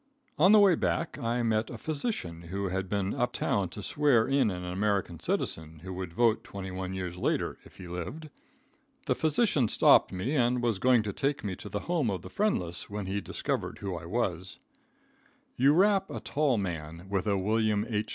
On the way back, I met a physician who had been up town to swear in an American citizen who would vote twenty one years later, if he lived. The physician stopped me and was going to take me to the home of the friendless, when he discovered who I was. [Illustration: EXCITING PUBLIC CURIOSITY.] You wrap a tall man, with a William H.